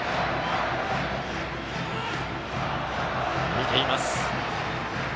見ています。